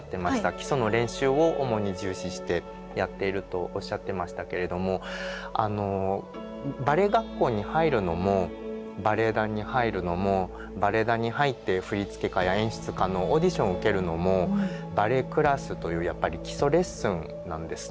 基礎の練習を主に重視してやっているとおっしゃってましたけれどもあのバレエ学校に入るのもバレエ団に入るのもバレエ団に入って振付家や演出家のオーディションを受けるのもバレエクラスというやっぱり基礎レッスンなんですね。